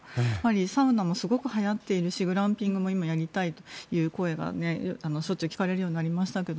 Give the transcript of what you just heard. サウナもすごくはやっているしグランピングも今、やりたいという声がしょっちゅう聞かれるようになりましたが。